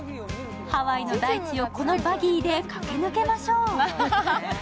ハワイの大地をこのバギーで駆け抜けましょう。